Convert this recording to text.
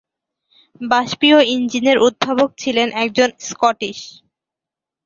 বাষ্পীয় ইঞ্জিনের উদ্ভাবক ছিলেন একজন স্কটিশ।